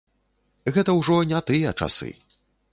Гэта ўжо не тыя часы.